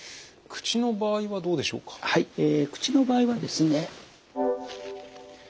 口の場合はですね。